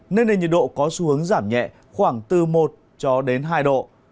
nên nền nhiệt độ có xu hướng giảm nhẹ khoảng từ một hai độ